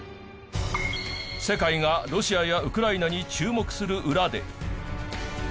世界がロシアやウクライナに注目する裏で。